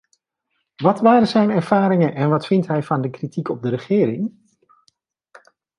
Wat waren zijn ervaringen en wat vindt hij van de kritiek op de regering?